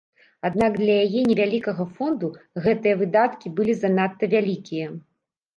Аднак для яе невялікага фонду гэтыя выдаткі былі занадта вялікія.